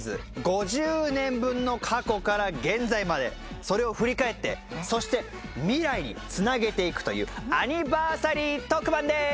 ５０年分の過去から現在までそれを振り返ってそして未来につなげていくというアニバーサリー特番です！